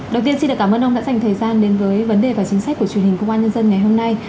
đầu tiên xin cảm ơn ông đã dành thời gian đến với vấn đề và chính sách của truyền hình công an nhân dân ngày hôm nay